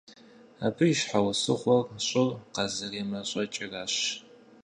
Абы и щхьэусыгъуэр щӀыр къазэремэщӀэкӀыращ.